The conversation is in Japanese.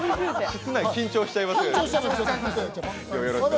室内、緊張しちゃいますよね